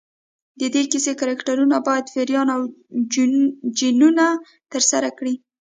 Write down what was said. د دې کیسې کرکټرونه باید پیریان او جنونه ترسره کړي.